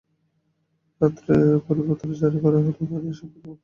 রাতে পরিপত্র জারি করা হলেও তাতে এ-সংক্রান্ত কোনো তথ্য ছিল না।